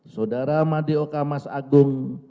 saudara madeoka mas agung